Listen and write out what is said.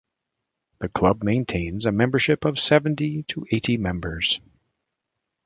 The club maintains a membership of seventy to eighty members.